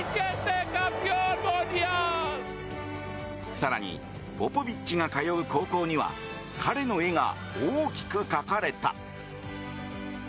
更に、ポポビッチが通う高校には彼の絵が大きく描かれた。